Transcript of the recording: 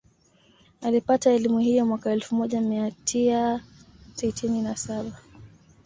Alipata elimu hiyo mwaka elfu moja mia tiaa sitini na saba